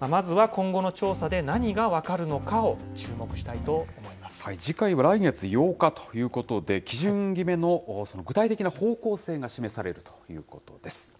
まずは今後の調査で何が分かるの次回は来月８日ということで、基準決めの具体的な方向性が示されるということです。